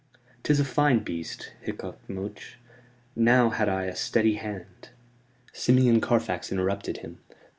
"'Tis a fine beast," hiccoughed Much. "Now had I a steady hand!" Simeon Carfax interrupted him.